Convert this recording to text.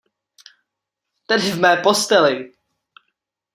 Tedy v mé posteli!